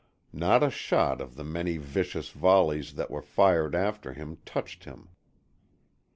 Not a shot of the many vicious volleys that were fired after him touched him.